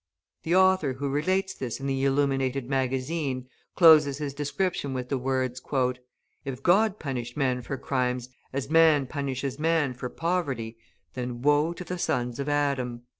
The author who relates this in the Illuminated Magazine, closes his description with the words: "If God punished men for crimes as man punishes man for poverty, then woe to the sons of Adam!"